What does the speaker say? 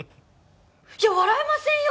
いや笑えませんよ！